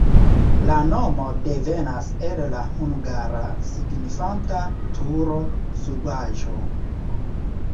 La nomo devenas el la hungara, signifanta turo-subaĵo.